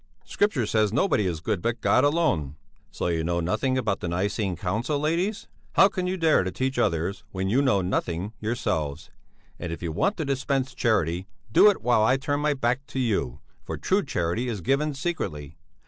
Scripture says nobody is good but God alone. So you know nothing about the Nicene Council, ladies? How can you dare to teach others, when you know nothing yourselves? And if you want to dispense charity, do it while I turn my back to you, for true charity is given secretly.